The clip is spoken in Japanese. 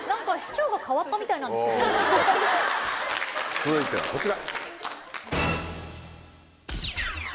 続いてはこちら！